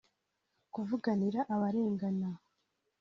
kuvuganira abarengana